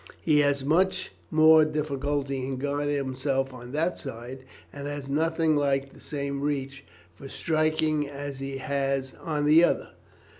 He has much more difficulty in guarding himself on that side, and he has nothing like the same reach for striking as he has on the other."